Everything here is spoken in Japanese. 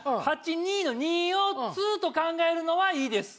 ８２の２を「ツ」と考えるのはいいです。